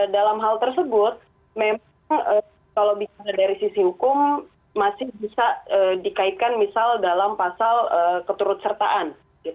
dalam hal tersebut memang kalau bicara dari sisi hukum masih bisa dikaitkan misal dalam pasal keturut sertaan